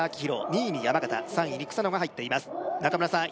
２位に山縣３位に草野が入っています中村さん